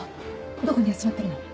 どこに集まってるの？